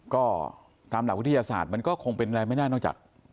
ก็ตามหลักวิทยาศาสตร์มันก็คงเป็นอะไรไม่ได้นอกจาก